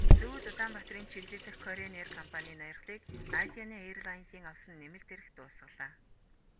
Сөүл-Улаанбаатарын чиглэл дэх Кореан эйр компанийн ноёрхлыг Азиана эйрлайнсын авсан нэмэлт эрх дуусгалаа.